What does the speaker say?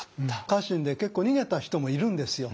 家臣で結構逃げた人もいるんですよ。